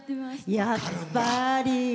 やっぱり！